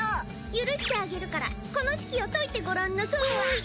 許してあげるからこの式を解いてごらんなさい。にゅわっ！